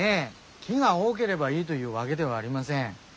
木が多げればいいどいうわげではありません。